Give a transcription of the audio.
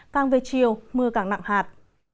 càng về chiều mưa càng nặng hạt